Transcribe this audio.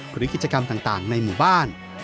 หรือกิจกรรมต่างในหมู่บ้าน